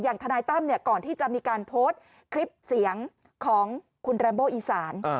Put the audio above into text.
อย่างทนายตั้มก่อนที่จะมีการโพสต์คลิปเสียงของคุณแรมโบอีศาล